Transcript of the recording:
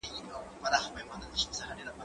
زه هره ورځ د کتابتون لپاره کار کوم!.